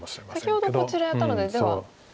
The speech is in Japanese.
先ほどこちらやったのでではこちらですと。